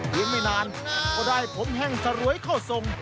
ไม่นานก็ได้ผมแห้งสรวยเข้าทรง